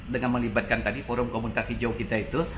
dengan melibatkan tadi forum komunitas hijau kita itu